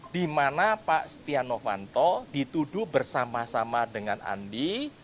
di mana pak setia novanto dituduh bersama sama dengan andi